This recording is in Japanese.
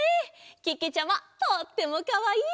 けけちゃまとってもかわいい！